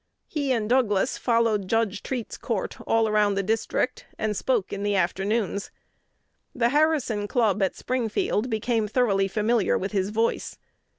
He and Douglas followed Judge Treat's court all around the circuit, "and spoke in the afternoons." The Harrison club at Springfield became thoroughly familiar with his voice.